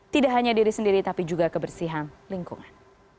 tidak hanya diri sendiri tapi juga kebersihan lingkungan